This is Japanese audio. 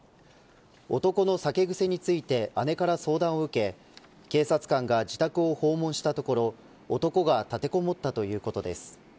男の酒癖について姉から相談を受け警察官が自宅を訪問したところ男が立てこもったということです。